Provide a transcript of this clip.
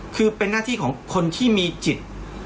คือเป็นหน้าที่ของคนที่มีจิต